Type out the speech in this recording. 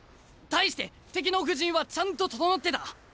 対して敵の布陣はちゃんと整ってた。